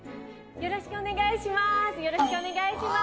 よろしくお願いします